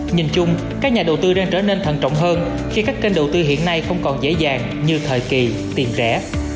nhìn chung các nhà đầu tư đang trở nên thần trọng hơn khi các kênh đầu tư hiện nay không còn dễ dàng như thời kỳ tiền vẽ